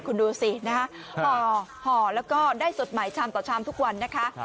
คุณดูสินะคะห่อแล้วก็ได้สดใหม่ชามต่อชามทุกวันนะคะ